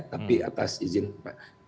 tapi atas izin pak